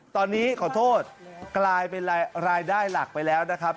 ตอนนี้ขอโทษกลายเป็นรายได้หลักไปแล้วนะครับ